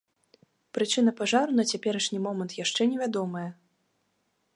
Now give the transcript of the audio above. Прычына пажару на цяперашні момант яшчэ не вядомая.